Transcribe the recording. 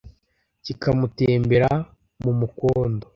Kikamutembera mu mukondo,